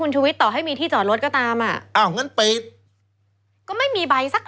ส่วนอันนี้